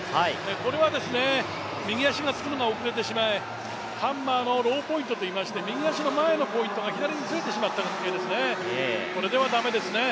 これは右足がつくのが遅れてしまい、ハンマーのローポイントといいまして右足の前のポイントが左にずれてしまった関係ですね。